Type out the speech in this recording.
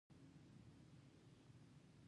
د تېرېدنې طريقه به يې خپلوله.